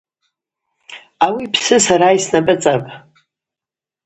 Ауи йпсы сара йснапӏыцӏапӏ.